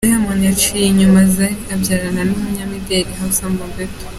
Diamond yaciye inyuma Zari abyarana n’umunyamideli Hamisa Mobetto.